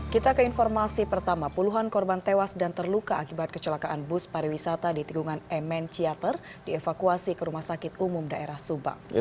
kita ke informasi pertama puluhan korban tewas dan terluka akibat kecelakaan bus pariwisata di tikungan mn ciater dievakuasi ke rumah sakit umum daerah subang